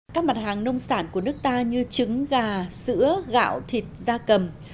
các mặt hàng nông sản của nước ta như trứng gà sữa gạo thịt da cầm